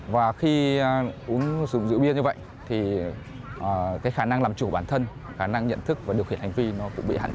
và khi uống rượu bia như vậy thì cái khả năng làm chủ bản thân khả năng nhận thức và điều khiển hành vi nó cũng bị hạn chế